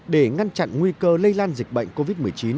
để ngăn chặn nguy cơ lây lan dịch bệnh covid một mươi chín